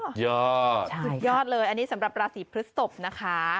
สุดยอดสุดยอดเลยอันนี้สำหรับราศีพฤศพนะคะ